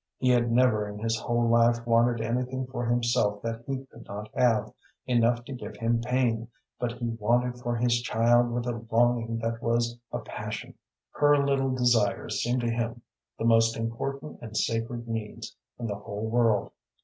He had never in his whole life wanted anything for himself that he could not have, enough to give him pain, but he wanted for his child with a longing that was a passion. Her little desires seemed to him the most important and sacred needs in the whole world.